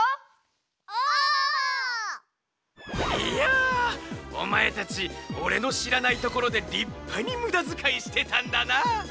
いやおまえたちおれのしらないところでりっぱにむだづかいしてたんだな。